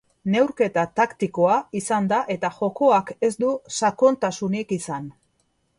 Neurketa taktikoa izan da eta jokoak ez du sakontasunik izan.